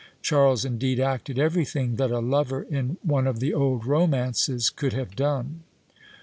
Charles indeed acted everything that a lover in one of the old romances could have done.